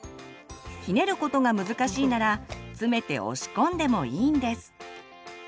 ひねることが難しいなら詰めて押し込んでもいいんです。